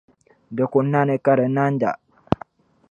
Di ku nani ka di nanda.